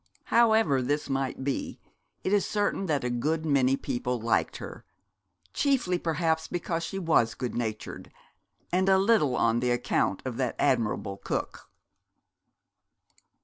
However this might be, it is certain that a good many people liked her, chiefly perhaps because she was good natured, and a little on account of that admirable cook.